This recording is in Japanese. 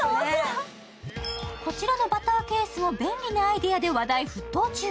こちらのバターケースも便利なアアイデアで話題沸騰中。